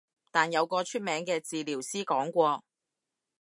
但有個出名嘅治療師講過